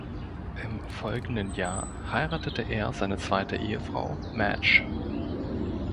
Im folgenden Jahr heiratete er seine zweite Ehefrau Madge.